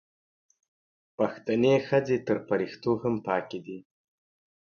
پښتنې ښځې تر فریښتو هم پاکې دي